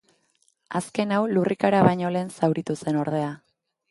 Azken hau, lurrikara baino lehen zauritu zen, ordea.